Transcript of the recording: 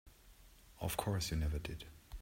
Of course you never did.